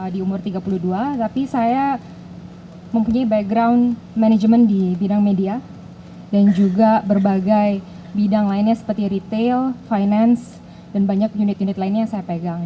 di umur tiga puluh dua tapi saya mempunyai background management di bidang media dan juga berbagai bidang lainnya seperti retail finance dan banyak unit unit lainnya yang saya pegang